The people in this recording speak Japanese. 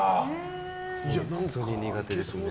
本当に苦手ですね。